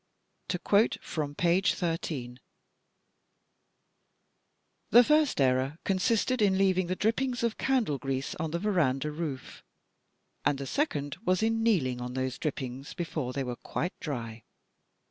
To quote from page 13: "The first error consisted in leaving the drippings of candle grease on the veranda roof, and the second was in kneeling on those drip pings before they were quite dry.